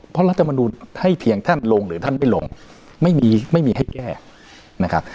เพราะรัฐมนุนให้เพียงท่านลงหรือท่านไม่ลงไม่มีไม่มีให้แก้นะครับ